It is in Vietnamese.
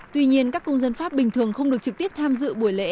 tuy nhiên các công dân pháp bình thường không được trực tiếp tham dự buổi lễ